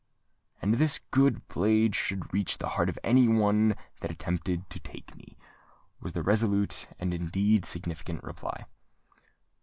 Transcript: "And this good blade should reach the heart of any one that attempted to take me," was the resolute and indeed significant reply.